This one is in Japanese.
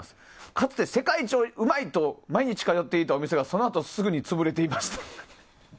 かつて世界一うまいと毎日通っていたお店がそのあとすぐに潰れていました。